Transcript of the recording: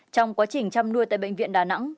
trong quá trình chăm nuôi tại bệnh viện đà nẵng